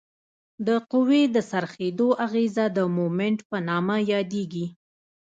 د قوې د څرخیدو اغیزه د مومنټ په نامه یادیږي.